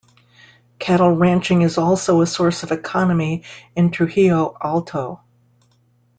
Cattle ranching is also a source of economy in Trujillo Alto.